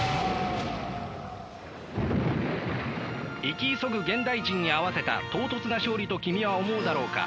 生き急ぐ現代人に合わせた唐突な勝利と君は思うだろうか。